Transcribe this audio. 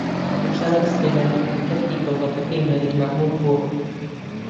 شاری سلێمانی پایتەختی دەوڵەتەکەی مەلیک مەحموود بووە